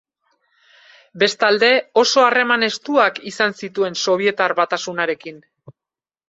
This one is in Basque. Bestalde, oso harreman estuak izan zituen Sobietar Batasunarekin.